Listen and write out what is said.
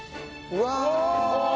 うわ！